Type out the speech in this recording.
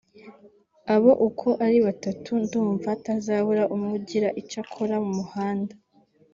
abo uko ari batatu ndumva hatazabura umwe ugira icyo akora mu muhanda